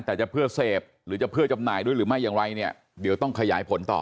แต่จะเพื่อเสพหรือจะเพื่อจำหน่ายด้วยหรือไม่อย่างไรเนี่ยเดี๋ยวต้องขยายผลต่อ